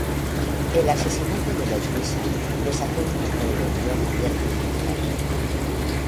El asesinato de los Guisa desató una rebelión abierta contra el Rey.